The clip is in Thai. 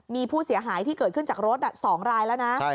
มีผู้เสียหายที่เกิดขึ้นจากรถ๒รายแล้วนะ